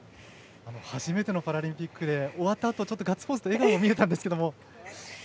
初めてのパラリンピックで終わったあとガッツポーズと笑顔が見えたんですが。